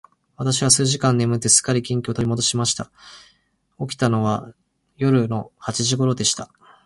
私は数時間眠って、すっかり元気を取り戻しました。起きたのは夜の八時頃でした。